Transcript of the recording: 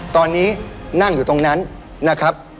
ตอนนี้นั่งอยู่ตรงนั้นนะครับ